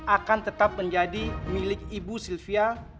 akan tetap menjadi milik ibu sylvia